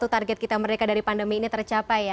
target kita merdeka dari pandemi ini tercapai ya